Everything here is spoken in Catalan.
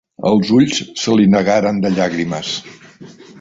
Els ulls se li negaren de llàgrimes.